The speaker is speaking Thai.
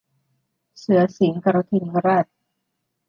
เสือสิงห์กระทิงแรด